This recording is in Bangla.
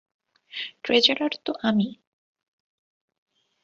ট্রেজারার তো আমি।